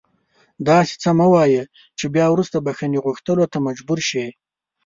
داسې څه مه وایه چې بیا وروسته بښنې غوښتلو ته مجبور شې